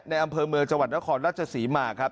อำเภอเมืองจังหวัดนครราชศรีมาครับ